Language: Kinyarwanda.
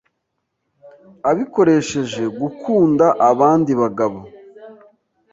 abikoresheje gukunda abandi bagabo